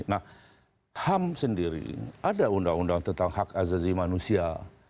nah ham sendiri ada undang undang tentang hak azazi manusia